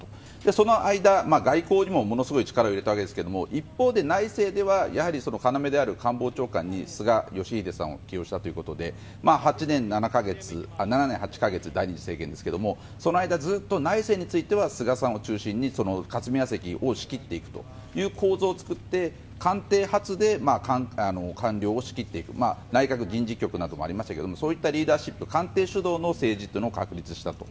その間、外交にもものすごい力を入れたわけですが一方で、内政では要である官房長官に菅義偉さんを起用したということで、７年８か月第２次政権ですがその間、内政については菅さんを中心に霞が関を仕切っていく構造を作って、官邸初で官僚を仕切っていく内閣人事局などもありましたがそういったリーダーシップ官邸主導の政治を確立したと。